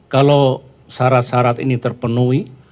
kalau syarat syarat ini terpenuhi